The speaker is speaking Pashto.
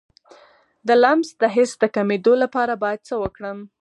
د لمس د حس د کمیدو لپاره باید څه وکړم؟